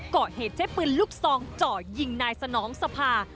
ก่อเหตุใช้ปืนลูกซองเจาะยิงนายสนองสภา